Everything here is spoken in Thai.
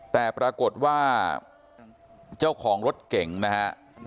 แต่ปรากฏว่าเจ้าของรถเก่งนะฮะ